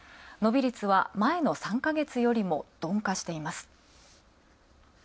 伸び率は前の３か月よりも鈍化しています。